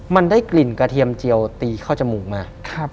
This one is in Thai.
มันได้กลิ่นกระเทียมเจียวตีเข้าจมูกมาก